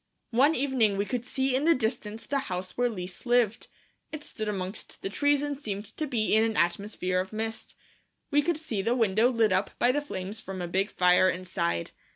One evening we could see in the distance the house where Lise lived. It stood amongst the trees and seemed to be in an atmosphere of mist. We could see the window lit up by the flames from a big fire inside.